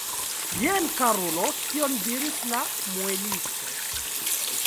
Jen, karulo, kion diris la muelisto!